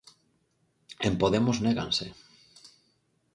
En Podemos néganse.